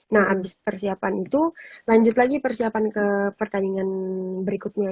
nah abis persiapan itu lanjut lagi persiapan ke pertandingan berikutnya